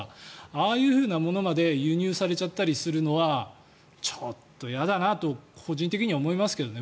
ああいうものまで輸入されたりするのはちょっと嫌だなと個人的には思いますけどね。